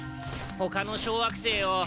ほかの小惑星を。